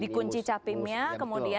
dikunci capimnya kemudian